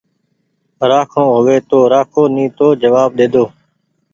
رآکڻو هووي تو رآکو نيتو جوآب ۮيدو